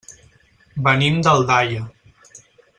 Venim d'Aldaia.